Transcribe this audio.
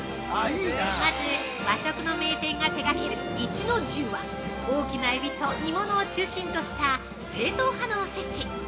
まず和食の名店が手がける壱の重は、大きなエビと煮物を中心とした正統派のおせち。